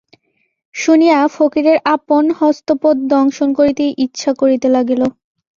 শুনিয়া ফকিরের আপন হস্তপদ দংশন করিতে ইচ্ছ করিতে লাগিল।